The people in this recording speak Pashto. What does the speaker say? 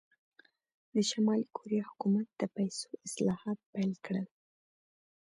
د شلي کوریا حکومت د پیسو اصلاحات پیل کړل.